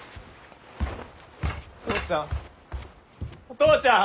父ちゃん。